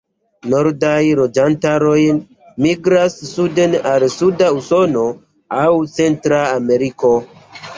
Nordaj loĝantaroj migras suden al suda Usono aŭ Centra Ameriko.